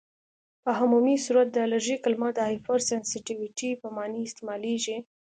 په عمومي صورت د الرژي کلمه د هایپرسینسیټیويټي په معنی استعمالیږي.